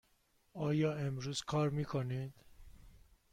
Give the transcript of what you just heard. آیا امروز کار می کنید؟